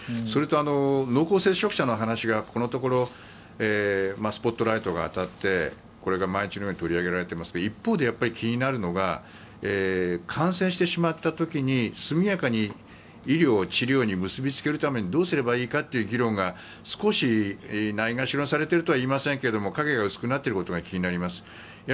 それと、濃厚接触者の話がこのところスポットライトが当たってこれが毎日のように取り上げられていますが一方でやっぱり気になるのが感染してしまった時に速やかに医療、治療に結びつけるためにどうすればいいかという議論が少し、ないがしろにされているとは言いませんが影が薄くなっていることが気になります。